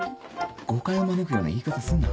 誤解を招くような言い方すんな。